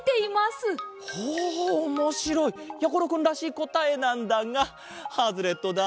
おおもしろい！やころくんらしいこたえなんだがハズレットだ。